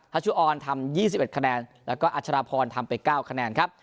ชาชุออนทำยี่สิบเอ็ดขนาดแล้วก็อัชราพรทำไปเก้าขนาดครับ